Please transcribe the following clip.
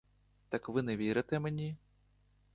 Так ви не вірите мені?